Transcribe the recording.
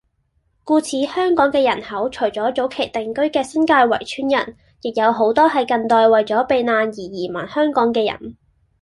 故此香港嘅人口除咗早期定居嘅新界圍村人，亦有好多係近代為咗避難而移民香港嘅人